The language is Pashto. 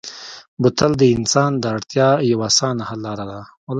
بوتل د انسان د اړتیا یوه اسانه حل لاره ده.